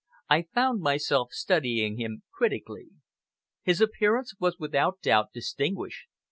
I found myself studying him critically. His appearance was without doubt distinguished.